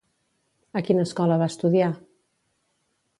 A quina escola va estudiar?